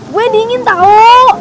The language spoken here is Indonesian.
gue dingin tau